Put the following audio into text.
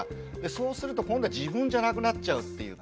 そうすると今度は自分じゃなくなっちゃうっていうか。